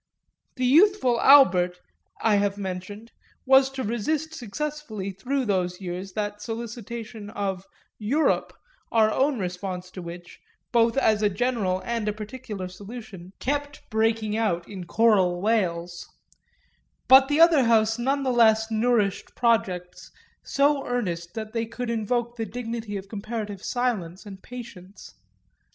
The youthful Albert, I have mentioned, was to resist successfully through those years that solicitation of "Europe" our own response to which, both as a general and a particular solution, kept breaking out in choral wails; but the other house none the less nourished projects so earnest that they could invoke the dignity of comparative silence and patience.